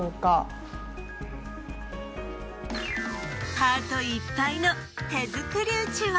ハートいっぱいの手作りうちわ。